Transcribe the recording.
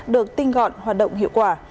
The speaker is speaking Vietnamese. được tinh gọn hoạt động hiệu quả